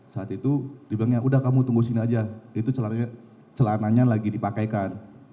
saat itu dibilangnya udah kamu tunggu sini aja itu celananya lagi dipakaikan